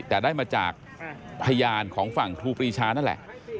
แต่ได้มาจากพยานของฝั่งครูปรีชานั่นแหละ